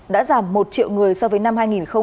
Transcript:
đã giảm một triệu người so với năm hai nghìn hai mươi